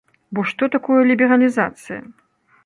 Бо што такое лібералізацыя?